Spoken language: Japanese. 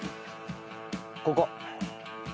ここ。